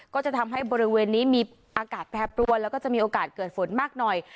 ก็จะทำให้บริเวณนี้มีอากาศแปรปรวนแล้วก็จะมีโอกาสเกิดฝนมากหน่อย